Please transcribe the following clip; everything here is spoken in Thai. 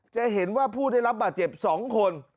จะเห็นว่าผู้ได้รับบาดเจ็บ๒คน